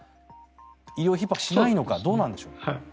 医療ひっ迫しないのかどうなんでしょうか。